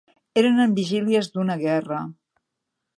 Eren en vigílies d'una guerra.